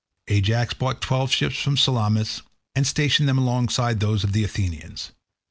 Ajax brought twelve ships from Salamis, and stationed them alongside those of the Athenians.